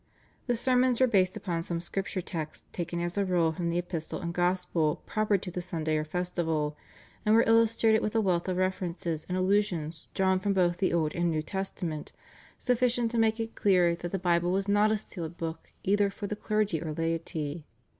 The sermons were based upon some Scripture text taken as a rule from the epistle and gospel proper to the Sunday or festival, and were illustrated with a wealth of references and allusions drawn from both the Old and New Testament sufficient to make it clear that the Bible was not a sealed book either for the clergy or laity.